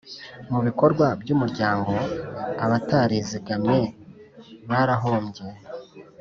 mu bikorwa by umuryango abatarizigamye barahombye